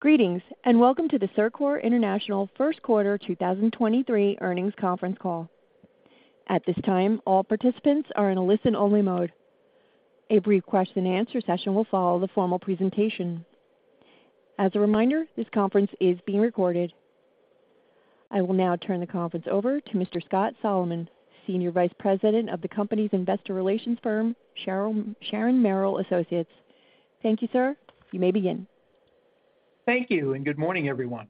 Greetings, welcome to the CIRCOR International Q1 2023 earnings conference call. At this time, all participants are in a listen-only mode. A brief question-and-answer session will follow the formal presentation. As a reminder, this conference is being recorded. I will now turn the conference over to Mr. Scott Solomon, Senior Vice President of the company's investor relations firm, Sharon Merrill Associates. Thank you, sir. You may begin. Thank you. Good morning, everyone.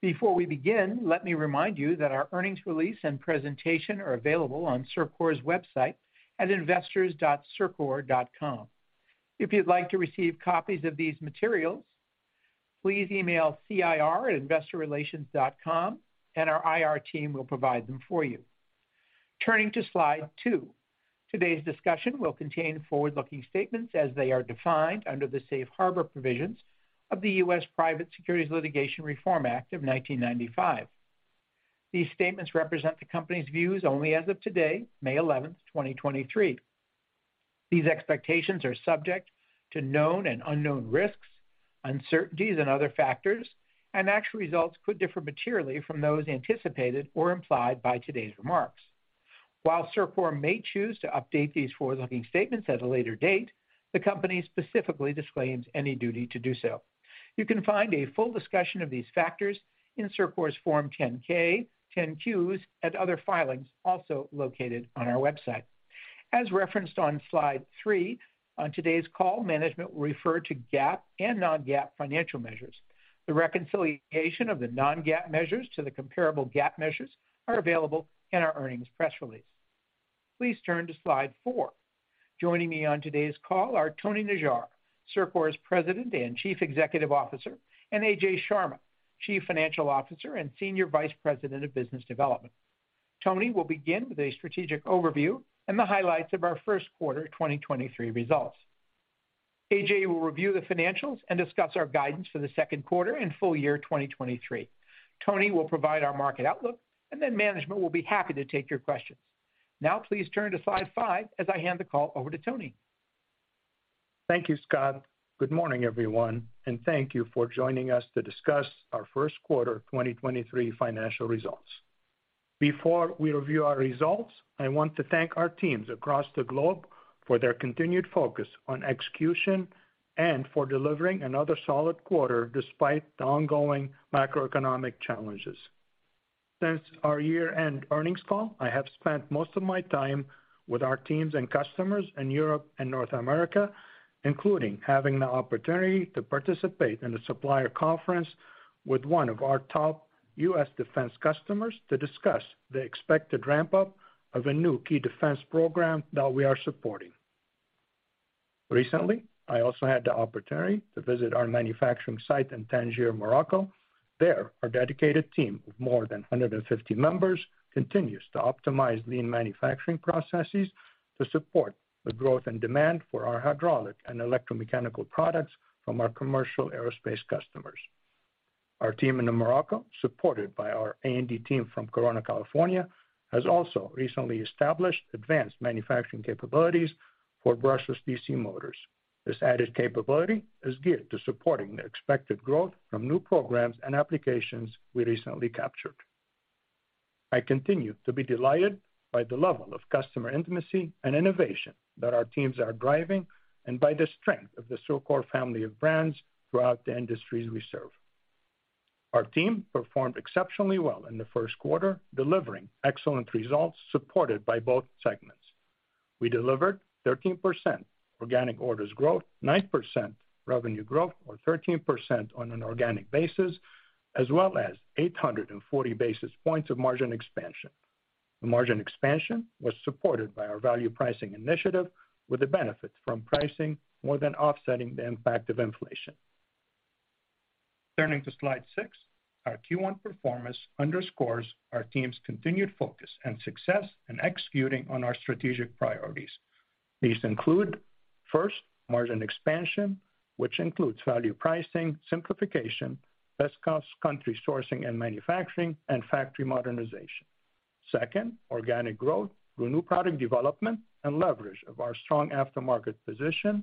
Before we begin, let me remind you that our earnings release and presentation are available on CIRCOR's website at investors.circor.com. If you'd like to receive copies of these materials, please email cir@investorrelations.com and our IR team will provide them for you. Turning to Slide two. Today's discussion will contain forward-looking statements as they are defined under the Safe Harbor provisions of the U.S. Private Securities Litigation Reform Act of 1995. These statements represent the company's views only as of today, May 11th, 2023. These expectations are subject to known and unknown risks, uncertainties, and other factors. Actual results could differ materially from those anticipated or implied by today's remarks. While CIRCOR may choose to update these forward-looking statements at a later date, the company specifically disclaims any duty to do so. You can find a full discussion of these factors in CIRCOR's Form 10-K, 10-Qs, and other filings also located on our website. As referenced on Slide three, on today's call, management will refer to GAAP and non-GAAP financial measures. The reconciliation of the non-GAAP measures to the comparable GAAP measures are available in our earnings press release. Please turn to Slide four. Joining me on today's call are Tony Najjar, CIRCOR's President and Chief Executive Officer, and AJ Sharma, Chief Financial Officer and Senior Vice President of Business Development. Tony will begin with a strategic overview and the highlights of our Q1 2023 results. AJ will review the financials and discuss our guidance for the Q2 and full year 2023. Tony will provide our market outlook. Management will be happy to take your questions. Now please turn to Slide five as I hand the call over to Tony. Thank you, Scott. Good morning, everyone, and thank you for joining us to discuss our Q1 2023 financial results. Before we review our results, I want to thank our teams across the globe for their continued focus on execution and for delivering another solid quarter despite the ongoing macroeconomic challenges. Since our year-end earnings call, I have spent most of my time with our teams and customers in Europe and North America, including having the opportunity to participate in a supplier conference with one of our top U.S. Defense customers to discuss the expected ramp-up of a new key defense program that we are supporting. Recently, I also had the opportunity to visit our manufacturing site in Tangier, Morocco. There, our dedicated team of more than 150 members continues to optimize lean manufacturing processes to support the growth and demand for our hydraulic and electromechanical products from our commercial aerospace customers. Our team in Morocco, supported by our A&D team from Corona, California, has also recently established advanced manufacturing capabilities for Brushless DC Motors. This added capability is geared to supporting the expected growth from new programs and applications we recently captured. I continue to be delighted by the level of customer intimacy and innovation that our teams are driving and by the strength of the CIRCOR family of brands throughout the industries we serve. Our team performed exceptionally well in the Q1, delivering excellent results supported by both segments. We delivered 13% organic orders growth, 9% revenue growth, or 13% on an organic basis, as well as 840 basis points of margin expansion. The margin expansion was supported by our value pricing initiative, with the benefit from pricing more than offsetting the impact of inflation. Turning to Slide six. Our Q1 performance underscores our team's continued focus and success in executing on our strategic priorities. These include, first, margin expansion, which includes value pricing, simplification, best-cost country sourcing and manufacturing, and factory modernization. Second, organic growth through new product development and leverage of our strong aftermarket position.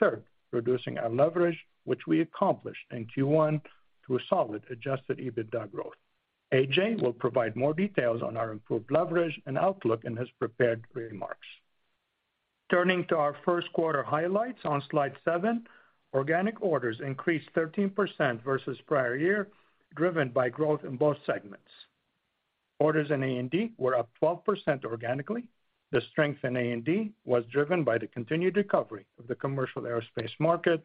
Third, reducing our leverage, which we accomplished in Q1 through a solid adjusted EBITDA growth. AJ will provide more details on our improved leverage and outlook in his prepared remarks. Turning to our Q1 highlights on Slide seven. Organic orders increased 13% versus prior year, driven by growth in both segments. Orders in A&D were up 12% organically. The strength in A&D was driven by the continued recovery of the commercial aerospace market,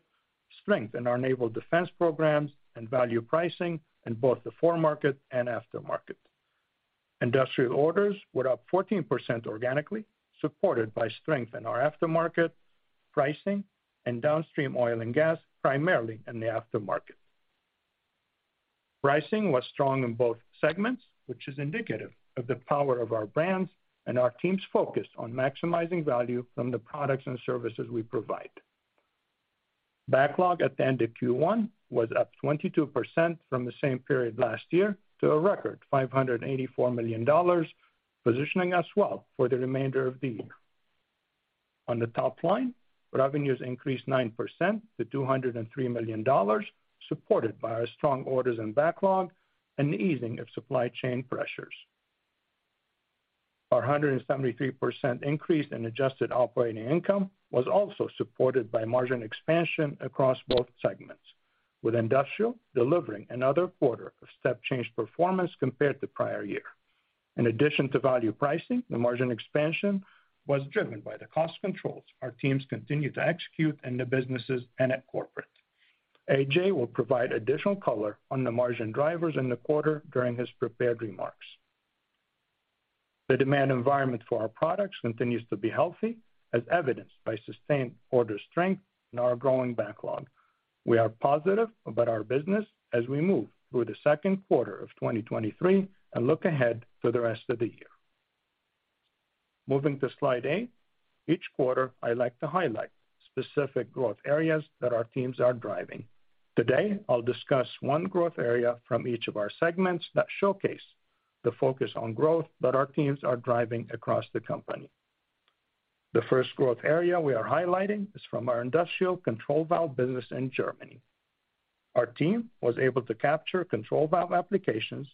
strength in our Naval Defense programs, and value pricing in both the foreign market and aftermarket. Industrial orders were up 14% organically, supported by strength in our aftermarket pricing and Downstream Oil and Gas, primarily in the aftermarket. Pricing was strong in both segments, which is indicative of the power of our brands and our team's focus on maximizing value from the products and services we provide. Backlog at the end of Q1 was up 22% from the same period last year to a record $584 million, positioning us well for the remainder of the year. On the top line, revenues increased 9% to $203 million, supported by our strong orders and backlog and the easing of supply chain pressures. Our 173% increase in adjusted operating income was also supported by margin expansion across both segments, with Industrial delivering another quarter of step change performance compared to prior year. In addition to value pricing, the margin expansion was driven by the cost controls our teams continue to execute in the businesses and at corporate. AJ will provide additional color on the margin drivers in the quarter during his prepared remarks. The demand environment for our products continues to be healthy, as evidenced by sustained order strength and our growing backlog. We are positive about our business as we move through the Q2 of 2023 and look ahead for the rest of the year. Moving to Slide eight, each quarter I like to highlight specific growth areas that our teams are driving. Today, I'll discuss one growth area from each of our segments that showcase the focus on growth that our teams are driving across the company. The first growth area we are highlighting is from our industrial control valve business in Germany. Our team was able to capture control valve applications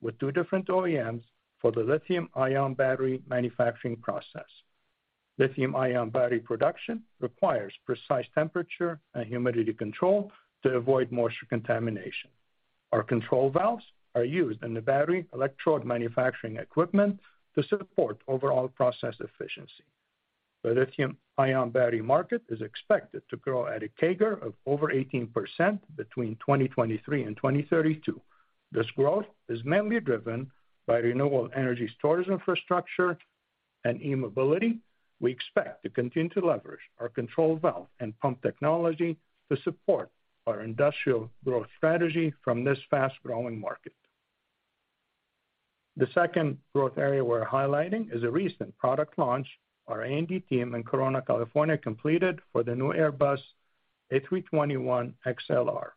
with two different OEMs for the lithium-ion battery manufacturing process. Lithium-ion battery production requires precise temperature and humidity control to avoid moisture contamination. Our control valves are used in the battery electrode manufacturing equipment to support overall process efficiency. The lithium-ion battery market is expected to grow at a CAGR of over 18% between 2023 and 2032. This growth is mainly driven by renewable energy storage infrastructure and e-mobility. We expect to continue to leverage our control valve and pump technology to support our industrial growth strategy from this fast-growing market. The second growth area we're highlighting is a recent product launch our A&D team in Corona, California, completed for the new Airbus A321XLR.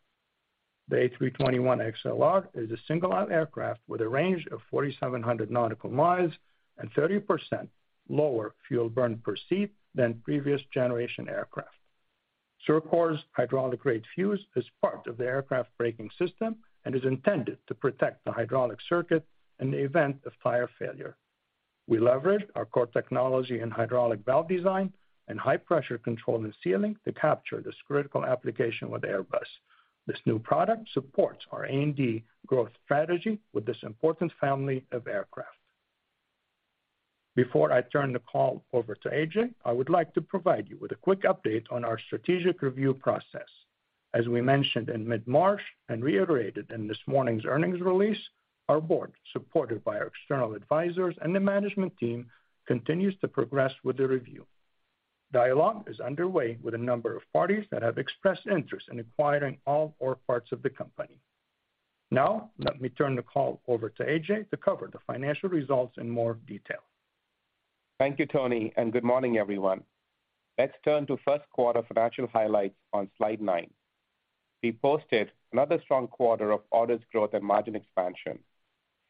The A321XLR is a single-aisle aircraft with a range of 4,700 nautical miles and 30% lower fuel burn per seat than previous generation aircraft. CIRCOR's hydraulic-grade fuse is part of the aircraft braking system and is intended to protect the hydraulic circuit in the event of tire failure. We leverage our core technology in hydraulic valve design and high pressure control and sealing to capture this critical application with Airbus. This new product supports our A&D growth strategy with this important family of aircraft. Before I turn the call over to AJ, I would like to provide you with a quick update on our strategic review process. As we mentioned in mid-March and reiterated in this morning's earnings release, our board, supported by our external advisors and the management team, continues to progress with the review. Dialogue is underway with a number of parties that have expressed interest in acquiring all or parts of the company. Let me turn the call over to AJ to cover the financial results in more detail. Thank you, Tony. Good morning, everyone. Let's turn to Q1 financial highlights on Slide nine. We posted another strong quarter of orders growth and margin expansion,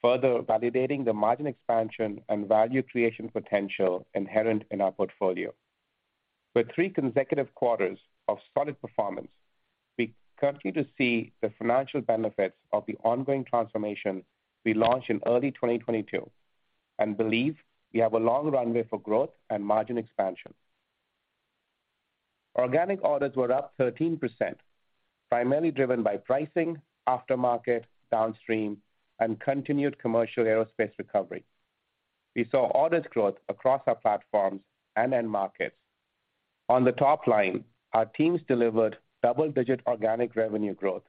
further validating the margin expansion and value creation potential inherent in our portfolio. With three consecutive quarters of solid performance, we continue to see the financial benefits of the ongoing transformation we launched in early 2022, and believe we have a long runway for growth and margin expansion. Organic orders were up 13%, primarily driven by pricing, aftermarket, downstream, and continued commercial aerospace recovery. We saw orders growth across our platforms and end markets. On the top line, our teams delivered double-digit organic revenue growth.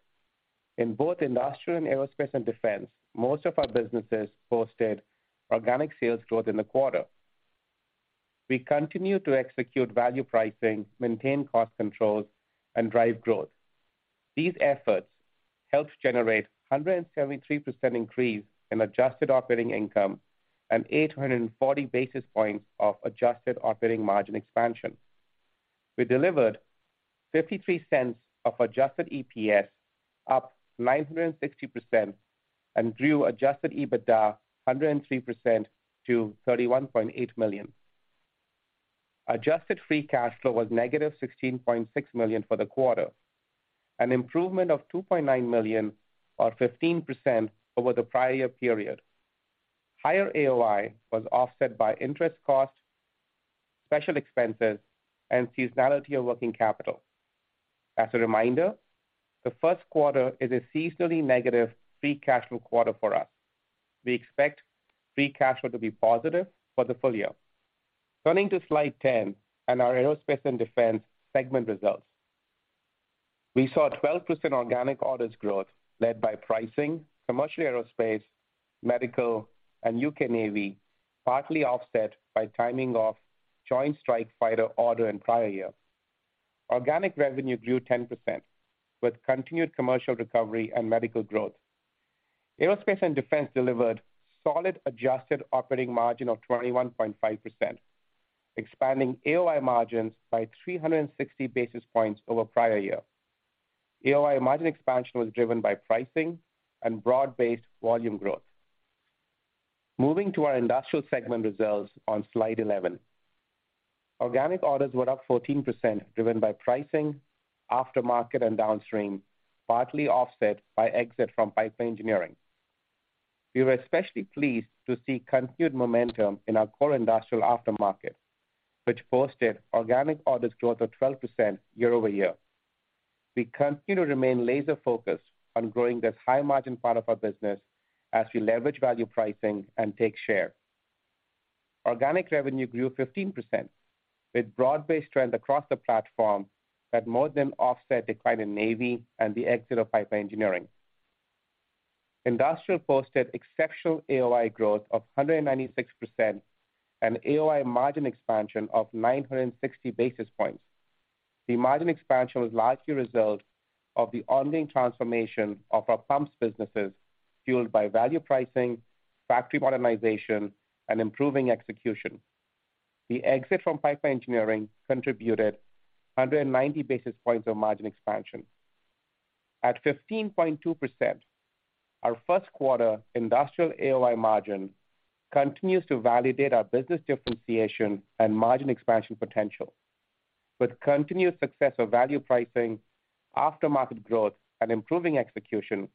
In both industrial and Aerospace & Defense, most of our businesses posted organic sales growth in the quarter. We continue to execute value pricing, maintain cost controls, and drive growth. These efforts helped generate 173% increase in adjusted operating income and 840 basis points of adjusted operating margin expansion. We delivered $0.53 of adjusted EPS, up 960%, and grew adjusted EBITDA 103% to $31.8 million. Adjusted free cash flow was negative $16.6 million for the quarter, an improvement of $2.9 million or 15% over the prior period. Higher AOI was offset by interest costs, special expenses, and seasonality of working capital. As a reminder, the Q1 is a seasonally negative free cash flow quarter for us. We expect free cash flow to be positive for the full year. Turning to Slide 10 and our Aerospace & Defense segment results. We saw a 12% organic orders growth led by pricing, commercial aerospace, medical, and UK Navy, partly offset by timing of Joint Strike Fighter order in prior year. Organic revenue grew 10% with continued commercial recovery and medical growth. Aerospace & Defense delivered solid adjusted operating margin of 21.5%, expanding AOI margins by 360 basis points over prior year. AOI margin expansion was driven by pricing and broad-based volume growth. Moving to our industrial segment results on Slide 11. Organic orders were up 14%, driven by pricing, aftermarket and downstream, partly offset by exit from pipe engineering. We were especially pleased to see continued momentum in our core industrial aftermarket, which posted organic orders growth of 12% year-over-year. We continue to remain laser-focused on growing this high margin part of our business as we leverage value pricing and take share. Organic revenue grew 15%, with broad-based trend across the platform that more than offset decline in Navy and the exit of pipe engineering. Industrial posted exceptional AOI growth of 196% and AOI margin expansion of 960 basis points. The margin expansion was largely a result of the ongoing transformation of our pumps businesses, fueled by value pricing, factory modernization, and improving execution. The exit from pipe engineering contributed 190 basis points of margin expansion. At 15.2%, our Q1 industrial AOI margin continues to validate our business differentiation and margin expansion potential. With continued success of value pricing, aftermarket growth, and improving execution,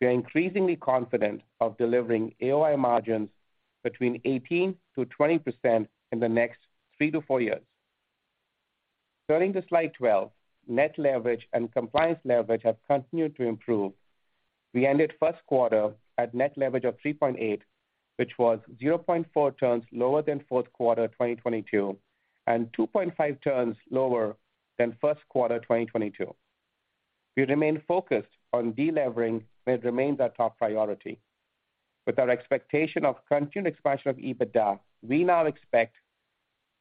we are increasingly confident of delivering AOI margins between 18%-20% in the next three to four years. Turning to Slide 12, net leverage and compliance leverage have continued to improve. We ended Q1 at net leverage of 3.8, which was 0.4 turns lower than Q4 of 2022, and 2.5 turns lower than Q1 of 2022. We remain focused on delevering, where it remains our top priority. With our expectation of continued expansion of EBITDA, we now expect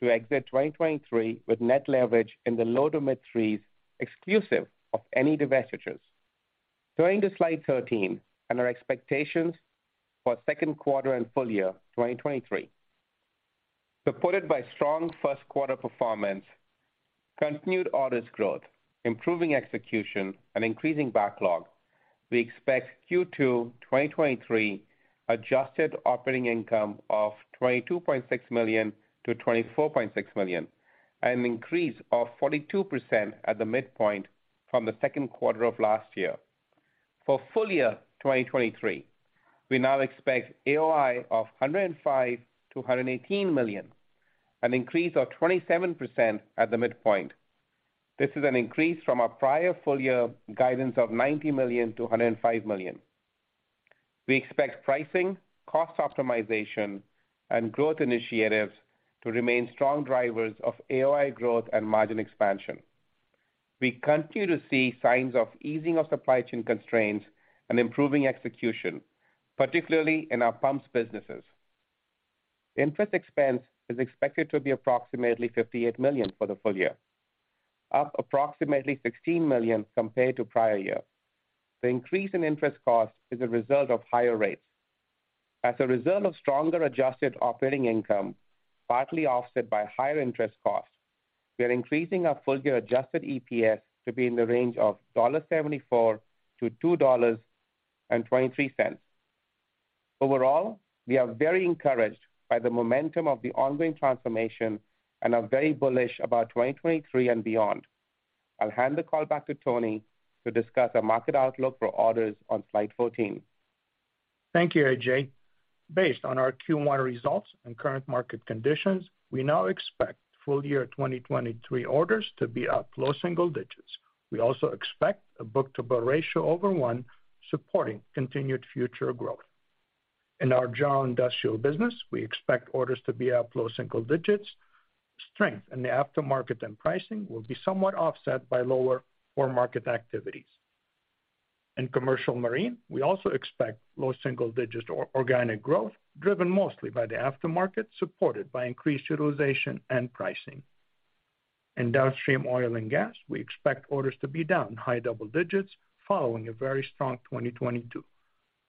to exit 2023 with net leverage in the low to mid-threes, exclusive of any divestitures. Turning to Slide 13 and our expectations for Q2 and full year 2023. Supported by strong Q1 performance, continued orders growth, improving execution, and increasing backlog, we expect Q2 2023 adjusted operating income of $22.6 million-$24.6 million, an increase of 42% at the midpoint from the Q2 of last year. For full year 2023, we now expect AOI of $105 million-$118 million, an increase of 27% at the midpoint. This is an increase from our prior full year guidance of $90 million-$105 million. We expect pricing, cost optimization, and growth initiatives to remain strong drivers of AOI growth and margin expansion. We continue to see signs of easing of supply chain constraints and improving execution, particularly in our pumps businesses. Interest expense is expected to be approximately $58 million for the full year, up approximately $16 million compared to prior year. The increase in interest cost is a result of higher rates. As a result of stronger adjusted operating income, partly offset by higher interest costs, we are increasing our full year Adjusted EPS to be in the range of $1.74-$2.23. Overall, we are very encouraged by the momentum of the ongoing transformation and are very bullish about 2023 and beyond. I'll hand the call back to Tony to discuss our market outlook for orders on Slide 14. Thank you, AJ. Based on our Q1 results and current market conditions, we now expect full year 2023 orders to be up low single digits. We also expect a book-to-bill ratio over one, supporting continued future growth. In our general industrial business, we expect orders to be up low single digits. Strength in the aftermarket and pricing will be somewhat offset by lower core market activities. In Commercial Marine, we also expect low single digits or organic growth, driven mostly by the aftermarket, supported by increased utilization and pricing. In Downstream Oil and Gas, we expect orders to be down high double digits following a very strong 2022.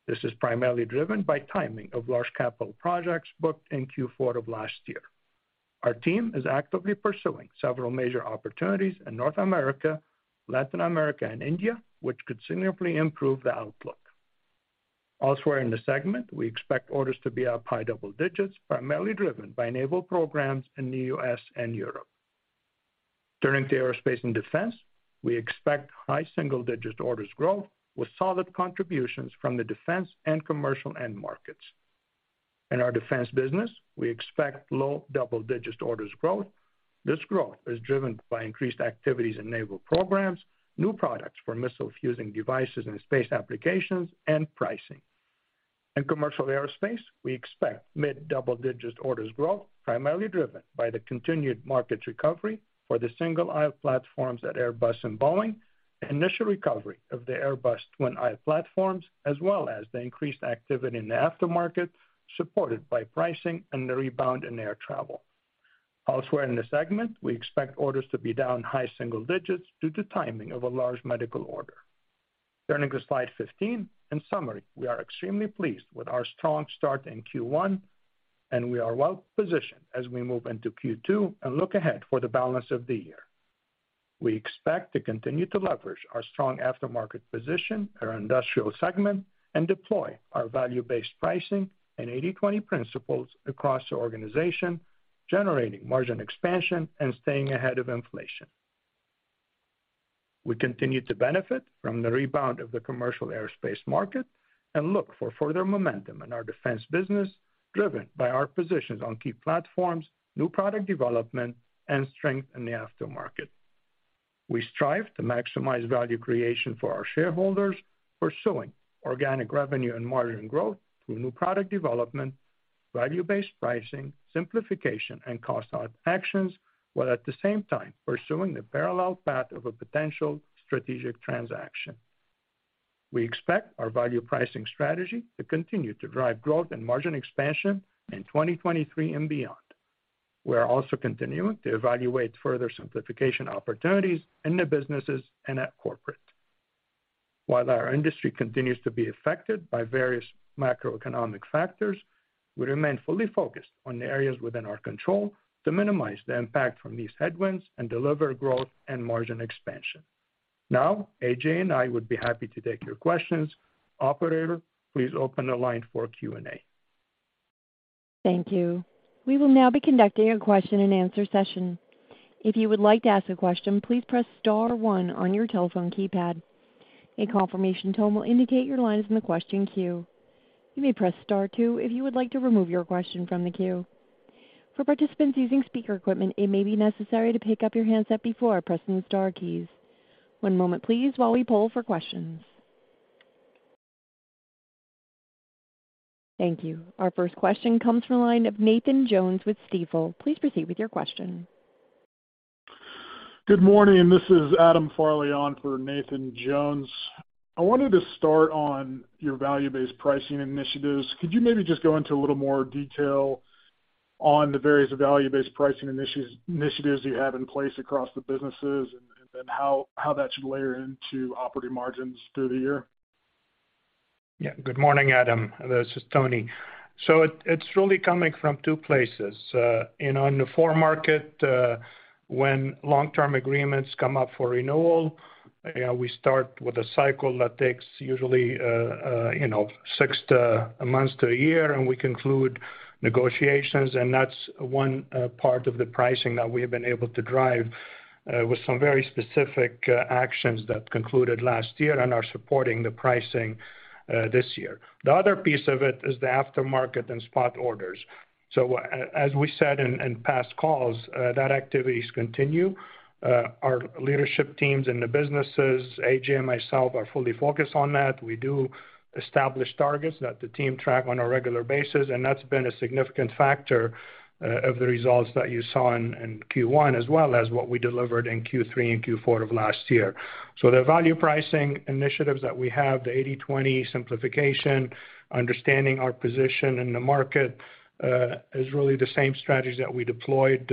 This is primarily driven by timing of large capital projects booked in Q4 of last year. Our team is actively pursuing several major opportunities in North America, Latin America, and India, which could significantly improve the outlook. Elsewhere in the segment, we expect orders to be up high double digits, primarily driven by naval programs in the U.S. and Europe. Turning to Aerospace & Defense, we expect high single digits orders growth, with solid contributions from the defense and commercial end markets. In our defense business, we expect low double digits orders growth. This growth is driven by increased activities in naval programs, new products for missile fusing devices and space applications, and pricing. In commercial aerospace, we expect mid-double digits orders growth, primarily driven by the continued market recovery for the single-aisle platforms at Airbus and Boeing, the initial recovery of the Airbus twin-aisle platforms, as well as the increased activity in the aftermarket, supported by pricing and the rebound in air travel. Elsewhere in the segment, we expect orders to be down high single digits due to timing of a large medical order. Turning to Slide 15. In summary, we are extremely pleased with our strong start in Q1, and we are well positioned as we move into Q2 and look ahead for the balance of the year. We expect to continue to leverage our strong aftermarket position, our industrial segment, and deploy our value-based pricing and 80/20 principles across the organization, generating margin expansion and staying ahead of inflation. We continue to benefit from the rebound of the commercial aerospace market and look for further momentum in our defense business, driven by our positions on key platforms, new product development and strength in the aftermarket. We strive to maximize value creation for our shareholders, pursuing organic revenue and margin growth through new product development, value-based pricing, simplification and cost out actions, while at the same time pursuing the parallel path of a potential strategic transaction. We expect our value pricing strategy to continue to drive growth and margin expansion in 2023 and beyond. We are also continuing to evaluate further simplification opportunities in the businesses and at corporate. While our industry continues to be affected by various macroeconomic factors, we remain fully focused on the areas within our control to minimize the impact from these headwinds and deliver growth and margin expansion. AJ and I would be happy to take your questions. Operator, please open the line for Q&A. Thank you. We will now be conducting a question-and-answer session. If you would like to ask a question, please press star one on your telephone keypad. A confirmation tone will indicate your line is in the question queue. You may press star two if you would like to remove your question from the queue. For participants using speaker equipment, it may be necessary to pick up your handset before pressing the star keys. One moment please while we poll for questions. Thank you. Our first question comes from the line of Nathan Jones with Stifel. Please proceed with your question. Good morning, this is Adam Farley on for Nathan Jones. I wanted to start on your value-based pricing initiatives. Could you maybe just go into a little more detail on the various value-based pricing initiatives you have in place across the businesses and then how that should layer into operating margins through the year? Yeah. Good morning, Adam. This is Tony. It's really coming from two places. you know, in the aftermarket, when long-term agreements come up for renewal, we start with a cycle that takes usually, you know, six months to a year, and we conclude negotiations, and that's one part of the pricing that we have been able to drive with some very specific actions that concluded last year and are supporting the pricing this year. The other piece of it is the aftermarket and spot orders. as we said in past calls, that activities continue. Our leadership teams in the businesses, AJ and myself are fully focused on that. We do establish targets that the team track on a regular basis. That's been a significant factor of the results that you saw in Q1, as well as what we delivered in Q3 and Q4 of last year. The value pricing initiatives that we have, the 80/20 simplification, understanding our position in the market, is really the same strategies that we deployed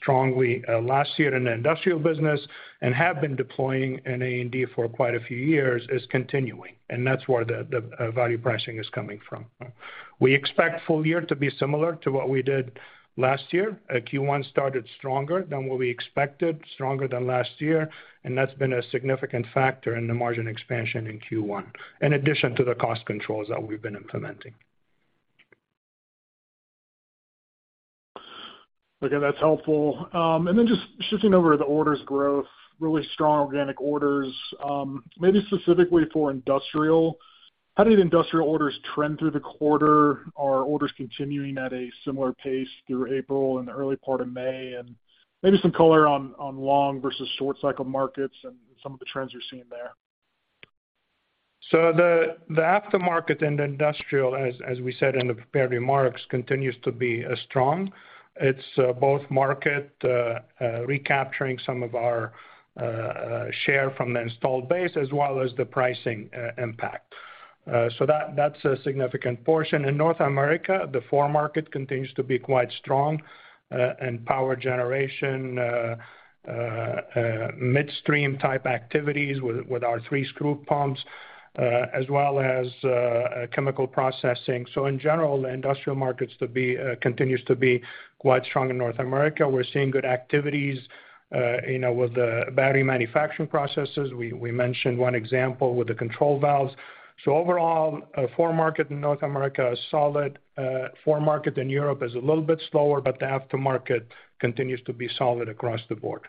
strongly last year in the industrial business and have been deploying in A&D for quite a few years is continuing, and that's where the value pricing is coming from. We expect full year to be similar to what we did last year. Q1 started stronger than what we expected, stronger than last year, and that's been a significant factor in the margin expansion in Q1, in addition to the cost controls that we've been implementing. Okay, that's helpful. Then just shifting over to the orders growth, really strong organic orders. Maybe specifically for industrial, how did industrial orders trend through the quarter? Are orders continuing at a similar pace through April and the early part of May? Maybe some color on long versus short cycle markets and some of the trends you're seeing there. The aftermarket and industrial as we said in the prepared remarks, continues to be strong. It's both market recapturing some of our share from the installed base as well as the pricing impact. That's a significant portion. In North America, the aftermarket continues to be quite strong in power generation midstream type activities with our Three-Screw Pumps as well as chemical processing. In general, the industrial markets continues to be quite strong in North America. We're seeing good activities, you know, with the battery manufacturing processes. We mentioned one example with the control valves. Overall, the aftermarket in North America is solid. Foremarket in Europe is a little bit slower, but the aftermarket continues to be solid across the board.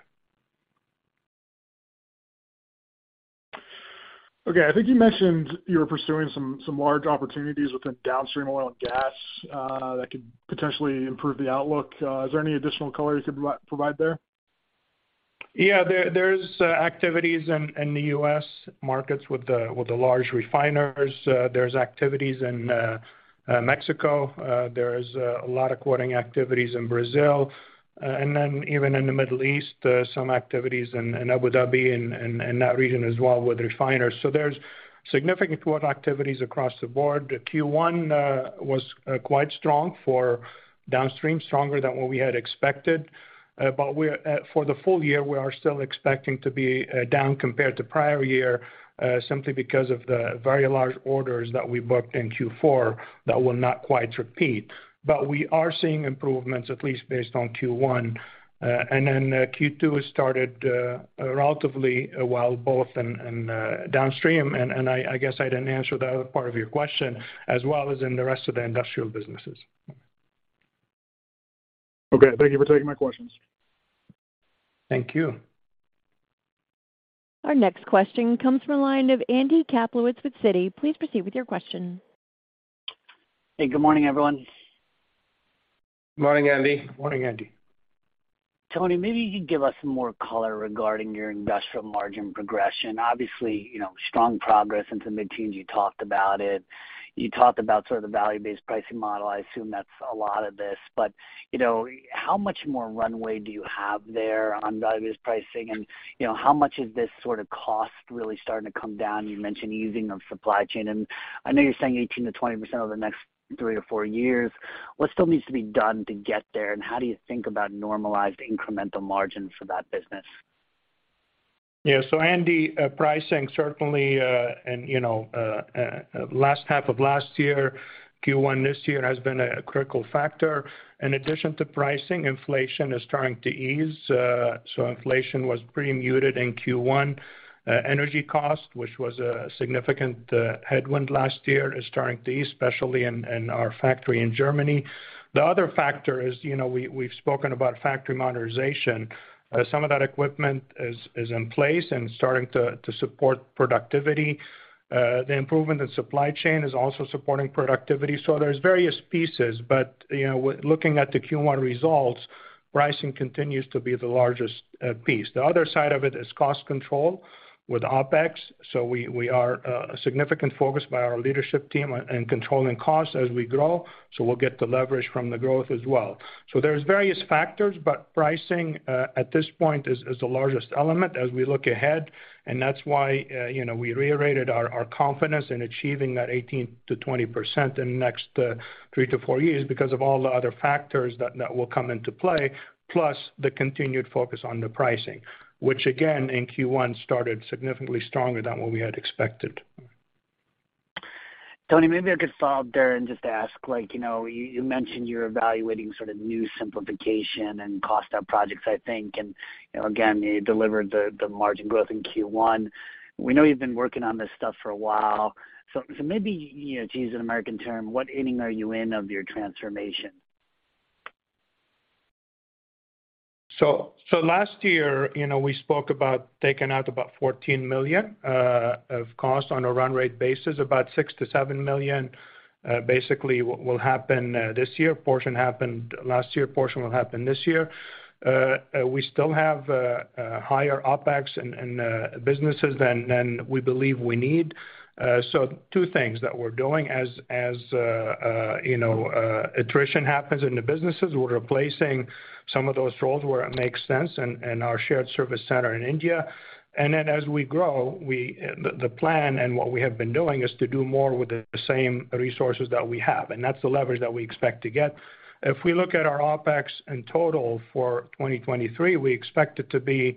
Okay. I think you mentioned you were pursuing some large opportunities within Downstream Oil and Gas, that could potentially improve the outlook. Is there any additional color you could provide there? There's activities in the U.S. markets with the large refiners. There's activities in Mexico. There's a lot of quoting activities in Brazil. Even in the Middle East, some activities in Abu Dhabi and that region as well with refiners. There's significant quote activities across the board. Q1 was quite strong for downstream, stronger than what we had expected. For the full year, we are still expecting to be down compared to prior year, simply because of the very large orders that we booked in Q4 that will not quite repeat. We are seeing improvements at least based on Q1. Q2 has started relatively well, both in downstream, and I guess I didn't answer the other part of your question, as well as in the rest of the industrial businesses. Okay, thank you for taking my questions. Thank you. Our next question comes from the line of Andrew Kaplowitz with Citi. Please proceed with your question. Hey, good morning, everyone. Morning, Andy. Morning, Andy. Tony, maybe you could give us some more color regarding your industrial margin progression. Obviously, you know, strong progress into mid-teen, you talked about it. You talked about sort of the value-based pricing model. I assume that's a lot of this. You know, how much more runway do you have there on value-based pricing and, you know, how much is this sort of cost really starting to come down? You mentioned easing of supply chain. I know you're saying 18%-20% over the next three to four years. What still needs to be done to get there, and how do you think about normalized incremental margin for that business? Andy, pricing certainly, and, you know, last half of last year, Q1 this year has been a critical factor. In addition to pricing, inflation is starting to ease. Inflation was pretty muted in Q1. Energy cost, which was a significant headwind last year is starting to ease, especially in our factory in Germany. The other factor is, you know, we've spoken about factory modernization. Some of that equipment is in place and starting to support productivity. The improvement in supply chain is also supporting productivity. There's various pieces. You know, looking at the Q1 results, pricing continues to be the largest piece. The other side of it is cost control with OpEx. We are a significant focus by our leadership team in controlling costs as we grow, so we'll get the leverage from the growth as well. There's various factors, but pricing at this point is the largest element as we look ahead, and that's why, you know, we reiterated our confidence in achieving that 18%-20% in the next three to four years because of all the other factors that will come into play, plus the continued focus on the pricing, which again, in Q1 started significantly stronger than what we had expected. Tony, maybe I could follow up there and just ask, like, you know, you mentioned you're evaluating sort of new simplification and cost out projects, I think. You know, again, you delivered the margin growth in Q1. We know you've been working on this stuff for a while. Maybe, you know, to use an American term, what inning are you in of your transformation? Last year, you know, we spoke about taking out about $14 million of cost on a run rate basis. About $6 million-$7 million basically will happen this year. A portion happened last year, a portion will happen this year. We still have higher OpEx in businesses than we believe we need. Two things that we're doing as, you know, attrition happens in the businesses, we're replacing some of those roles where it makes sense in our shared service center in India. As we grow, the plan and what we have been doing is to do more with the same resources that we have, and that's the leverage that we expect to get. We look at our OpEx in total for 2023, we expect it to be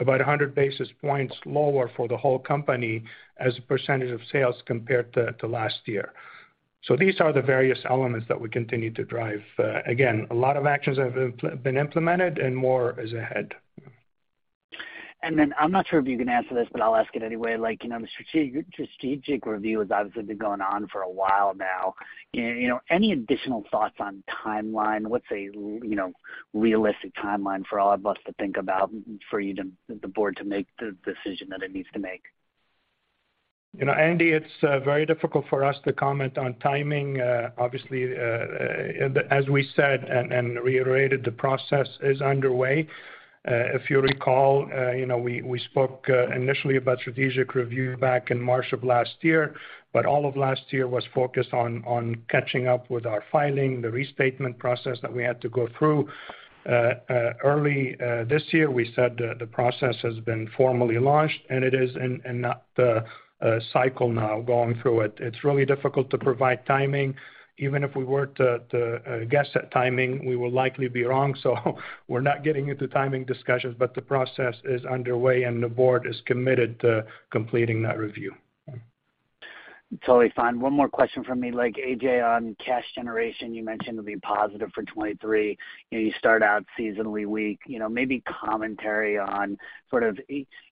about 100 basis points lower for the whole company as a percentage of sales compared to last year. These are the various elements that we continue to drive. Again, a lot of actions have been implemented and more is ahead. I'm not sure if you can answer this, but I'll ask it anyway. Like, you know, your strategic review has obviously been going on for a while now. You know, any additional thoughts on timeline? What's a, you know, realistic timeline for all of us to think about for the board to make the decision that it needs to make? You know, Andy, it's very difficult for us to comment on timing. Obviously, as we said and reiterated, the process is underway. If you recall, you know, we spoke initially about strategic review back in March of last year, but all of last year was focused on catching up with our filing, the restatement process that we had to go through. Early this year, we said the process has been formally launched, and it is in the cycle now going through it. It's really difficult to provide timing. Even if we were to guess at timing, we will likely be wrong. We're not getting into timing discussions, but the process is underway, and the board is committed to completing that review. Totally fine. One more question from me. Like, AJ, on cash generation, you mentioned it'll be positive for 2023. You know, you start out seasonally weak. You know, maybe commentary on sort of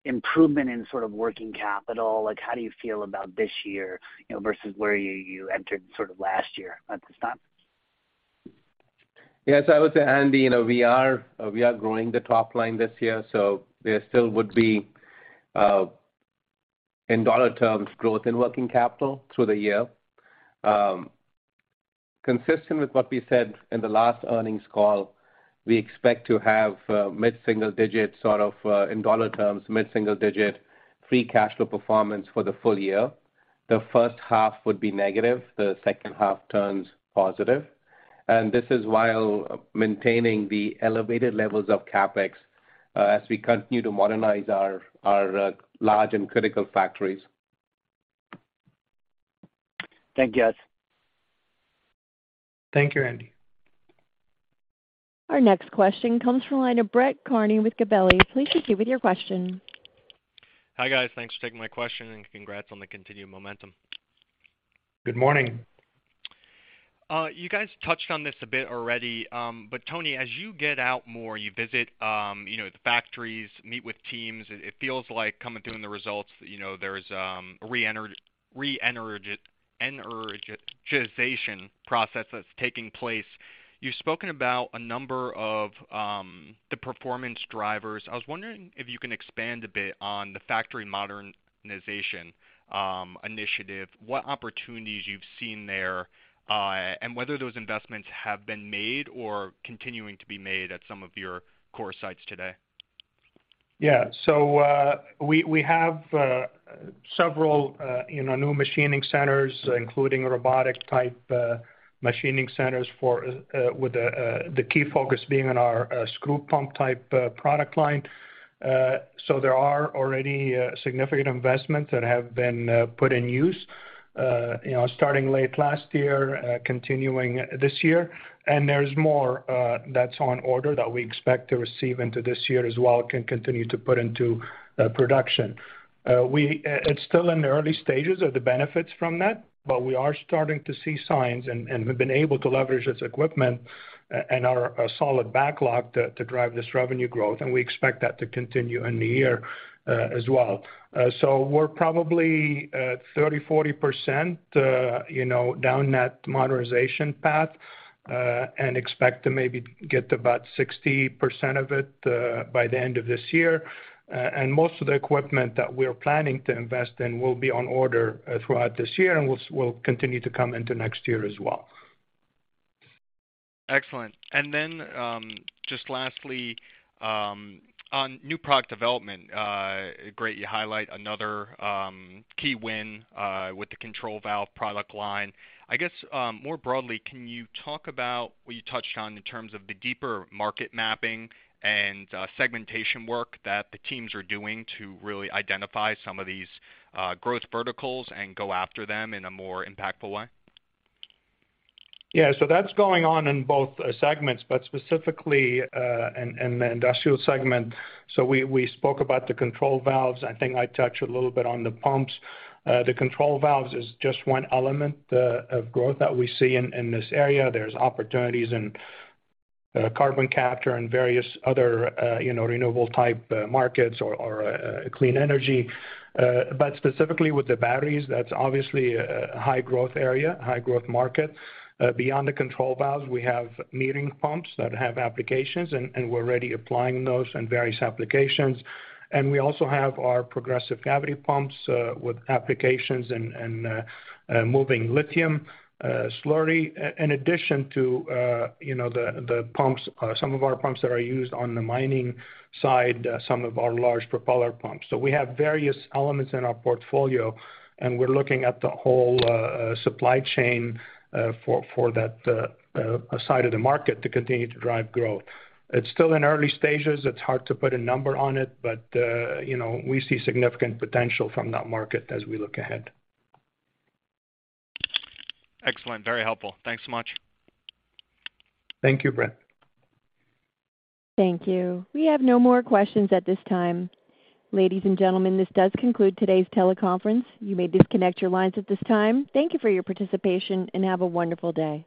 improvement in sort of working capital. Like, how do you feel about this year, you know, versus where you entered sort of last year at this time? I would say, Andy, you know, we are growing the top line this year, there still would be in dollar terms, growth in working capital through the year. Consistent with what we said in the last earnings call, we expect to have mid-single digit, sort of, in dollar terms, mid-single digit free cash flow performance for the full year. The first half would be negative, the second half turns positive. This is while maintaining the elevated levels of CapEx as we continue to modernize our large and critical factories. Thank you, guys. Thank you, Andy. Our next question comes from the line of Brett Kearney with Gabelli. Please proceed with your question. Hi, guys. Thanks for taking my question. Congrats on the continued momentum. Good morning. You guys touched on this a bit already. Tony, as you get out more, you visit, you know, the factories, meet with teams, it feels like coming through in the results, you know, there's a reenergization process that's taking place. You've spoken about a number of the performance drivers. I was wondering if you can expand a bit on the factory modernization initiative, what opportunities you've seen there, and whether those investments have been made or continuing to be made at some of your core sites today? We have several, you know, new machining centers, including robotic type machining centers for, with the key focus being on our screw pump type product line. There are already significant investments that have been put in use, you know, starting late last year, continuing this year. There's more that's on order that we expect to receive into this year as well, can continue to put into production. It's still in the early stages of the benefits from that, but we are starting to see signs, and we've been able to leverage this equipment and our solid backlog to drive this revenue growth, and we expect that to continue in the year as well. We're probably 30%, 40%, you know, down that modernization path, and expect to maybe get about 60% of it by the end of this year. Most of the equipment that we're planning to invest in will be on order throughout this year and will continue to come into next year as well. Excellent. Just lastly, on new product development, great, you highlight another key win with the control valve product line. I guess, more broadly, can you talk about what you touched on in terms of the deeper market mapping and segmentation work that the teams are doing to really identify some of these growth verticals and go after them in a more impactful way? That's going on in both segments, but specifically, in the industrial segment. We spoke about the control valves. I think I touched a little bit on the pumps. The control valves is just one element of growth that we see in this area. There's opportunities in carbon capture and various other, you know, renewable type markets or clean energy. But specifically with the batteries, that's obviously a high growth area, high growth market. Beyond the control valves, we have Metering Pumps that have applications, and we're already applying those in various applications. We also have our Progressive Cavity Pumps with applications in moving lithium slurry. In addition to, you know, the pumps, some of our pumps that are used on the mining side, some of our large propeller pumps. We have various elements in our portfolio, and we're looking at the whole supply chain for that side of the market to continue to drive growth. It's still in early stages. It's hard to put a number on it, but, you know, we see significant potential from that market as we look ahead. Excellent. Very helpful. Thanks so much. Thank you, Brett. Thank you. We have no more questions at this time. Ladies and gentlemen, this does conclude today's teleconference. You may disconnect your lines at this time. Thank you for your participation, and have a wonderful day.